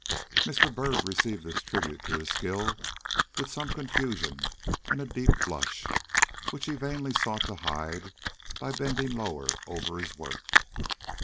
Mr. Byrd received this tribute to his skill with some confusion and a deep blush, which he vainly sought to hide by bending lower over his work.